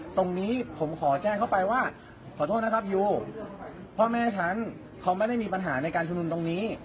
ตรงนี้ผมขอแจ้งเขาไปว่าขอโทษนะครับยูพ่อแม่ฉันเขาไม่ได้มีปัญหาในการชุมนุมตรงนี้